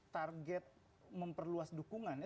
target memperluas dukungannya